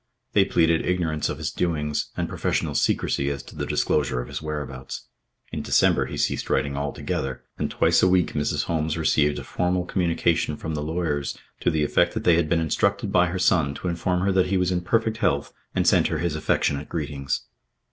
They pleaded ignorance of his doings and professional secrecy as to the disclosure of his whereabouts. In December he ceased writing altogether, and twice a week Mrs. Holmes received a formal communication from the lawyers to the effect that they had been instructed by her son to inform her that he was in perfect health and sent her his affectionate greetings.